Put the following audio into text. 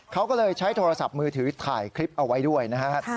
เขาก็เลยใช้โทรศัพท์มือถือถ่ายคลิปเอาไว้ด้วยนะครับ